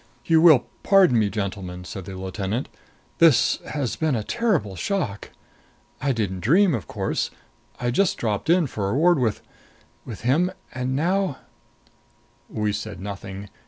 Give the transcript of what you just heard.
"You will pardon me, gentlemen," said the lieutenant. "This has been a terrible shock! I didn't dream, of course I just dropped in for a word with with him. And now " We said nothing.